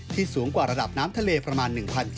สูงกว่าระดับน้ำทะเลประมาณ๑๗๐